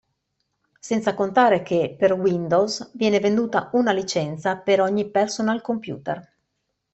Senza contare che per Windows viene venduta una licenza per ogni personal computer.